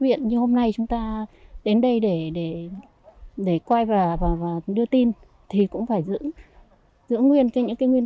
viện như hôm nay chúng ta đến đây để quay vào và đưa tin thì cũng phải giữ nguyên những cái nguyên